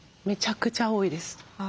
めちゃくちゃ多いです。